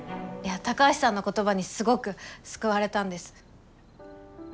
いや高橋さんの言葉にすごく救われたんです。